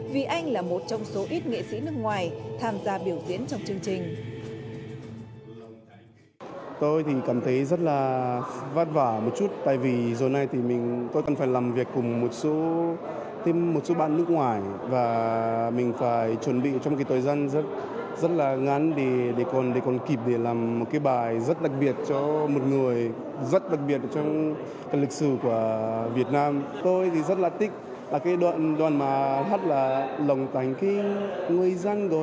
vì anh là một trong số ít nghệ sĩ nước ngoài tham gia biểu diễn trong chương trình